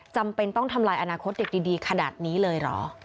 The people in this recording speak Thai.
จำเป็นต้องทำลายอนาคตเด็กดีขนาดนี้เลยเหรอ